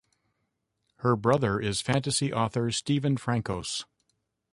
Her brother is fantasy author Steven Frankos.